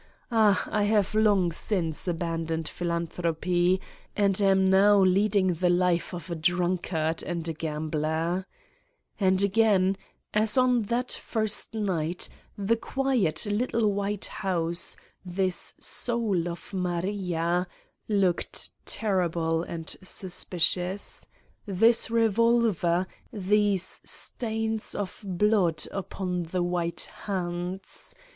... Ah, I' have long since abandoned philanthropy and am now leading the life of a drunkard and a gambler/ And again, as on that first night, the quiet little white house, this soul of Maria, looked terrible and suspicious : this re volver, these stains of blood upon the white hands.